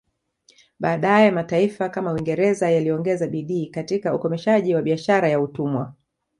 Baadaye mataifa kama Uingereza yaliongeza bidii katika ukomeshaji wa biashara ya utumwa